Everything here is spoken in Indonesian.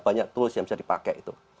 banyak tools yang bisa dipakai itu